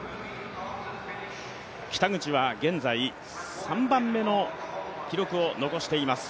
北口は現在、３番目の記録を残しています。